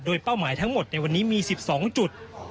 โดยเป้าหมายทั้งหมดในวันนี้มี๑๒จุด